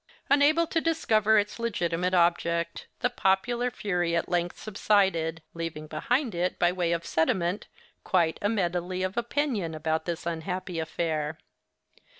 Unable to discover its legitimate object, the popular fury at length subsided; leaving behind it, by way of sediment, quite a medley of opinion about this unhappy affair.